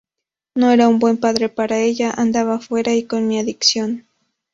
No era un buen padre para ella, andaba fuera y con mi adicción.